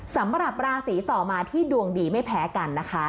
สำหรับราศีต่อมาที่ดวงดีไม่แพ้กันนะคะ